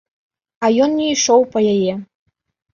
А ён не ішоў па яе.